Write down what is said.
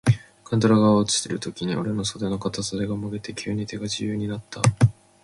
勘太郎が落ちるときに、おれの袷の片袖がもげて、急に手が自由になつた。